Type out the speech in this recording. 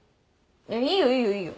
えっいいよいいよいいよ。